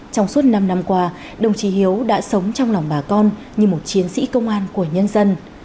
trong suốt năm năm qua đồng chí hiếu đã sống trong lòng bà con như một chiến sĩ công an của nhân dân